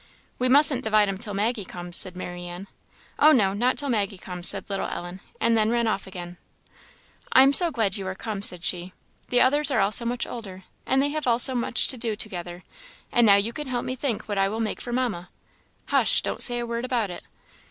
"We mustn't divide 'em till Maggie comes," said Marianne. "Oh, no not till Maggie comes," said little Ellen; and then ran off again. "I am so glad you are come!" said she; "the others are all so much older, and they have all so much to do together and now you can help me think what I will make for Mamma. Hush! don't say a word about it!"